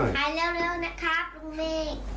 หายเร็วนะครับลุงเมฆ